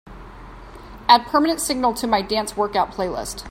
Add Permanent Signal to my dance workout playlist.